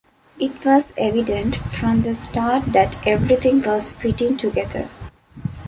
It was evident from the start that everything was fitting together.